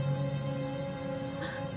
あっ。